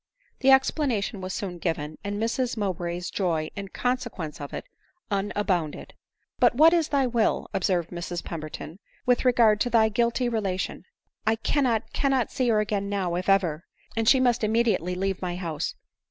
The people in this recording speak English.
The explanation was soon given ; and Mrs Mowbray's joy in consequence of it, unbounded. "But what is thy will," observed Mrs. Pemberton, " with regard to thy guilty relation ?" "I cannot— cannot see her again now, if ever ; and she must immediately leave my house."